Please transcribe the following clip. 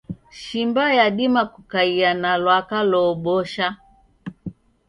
Shimba yadima kukaia na lwaka loobosha